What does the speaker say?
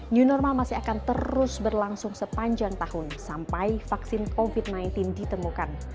new normal masih akan terus berlangsung sepanjang tahun sampai vaksin covid sembilan belas ditemukan